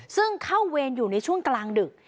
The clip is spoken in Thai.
ซึ่งเข้าเวรอยู่ในช่วงกลางดึก